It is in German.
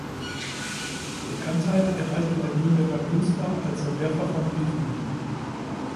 Bekanntheit erreichte der Nürnberger Künstler als Entwerfer von Briefmarken.